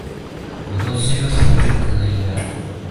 骨头吸收的模式可能有两种。